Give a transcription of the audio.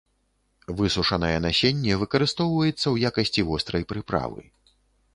Высушанае насенне выкарыстоўваецца ў якасці вострай прыправы.